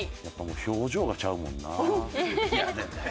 表情がちゃうもんな。